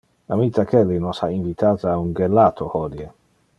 Amita Kelly nos ha invitate a un gelato hodie.